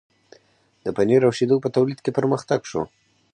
د پنیر او شیدو په تولید کې پرمختګ شو.